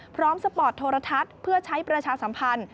สปอร์ตโทรทัศน์เพื่อใช้ประชาสัมพันธ์